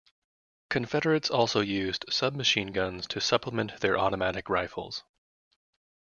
Confederates also used submachine guns to supplement their automatic rifles.